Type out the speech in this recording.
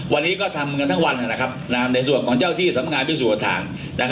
วันนี้ก็ทำกันทั้งวันในส่วนของเจ้าที่สำงานพิสูจน์ฐาน